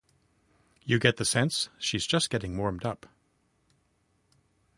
You get the sense she’s just getting warmed up.